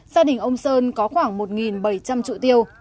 gia đình ông sơn có khoảng một bảy trăm linh trụ tiêu